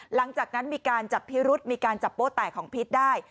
หลังจากนั้นมีการจับพิรุษมีการจับโป้แตกของพิษได้